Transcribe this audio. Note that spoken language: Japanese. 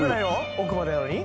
奥までやのに？